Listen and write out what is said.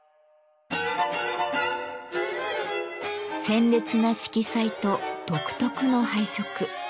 鮮烈な色彩と独特の配色。